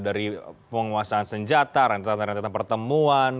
dari penguasaan senjata rantai rantai pertemuan